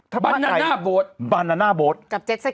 ถ้าบ้านนะน่าโบสต์กับเจ็ดสกีบ้านนะน่าโบสต์